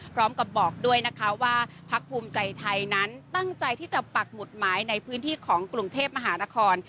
บอกด้วยนะคะว่าพักภูมิใจไทยนั้นตั้งใจที่จะปักหมุดหมายในพื้นที่ของกรุงเทพมหานคร